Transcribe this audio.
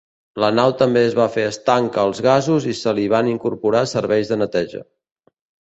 La nau també es va fer estanca als gasos i se li van incorporar serveis de neteja.